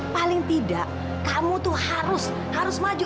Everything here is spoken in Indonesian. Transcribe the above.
paling tidak kamu tuh harus maju